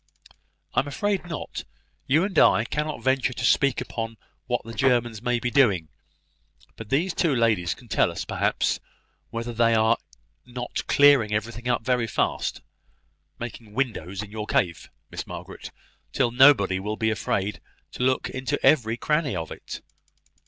"I am afraid not. You and I cannot venture to speak upon what the Germans may be doing. But these two ladies can tell us, perhaps, whether they are not clearing everything up very fast; making windows in your cave, Miss Margaret, till nobody will be afraid to look into every cranny of it."